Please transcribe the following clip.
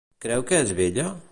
Creu que és bella?